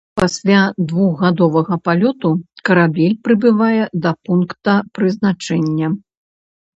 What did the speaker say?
Пасля двухгадовага палёту карабель прыбывае да пункта прызначэння.